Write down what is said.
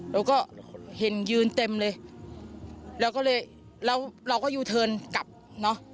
เราก็เห็นยืนเต็มเลยแล้วก็เลยแล้วเราก็ยูเทิร์นกลับเนอะ